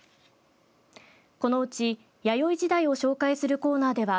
このうち弥生時代を紹介するコーナーでは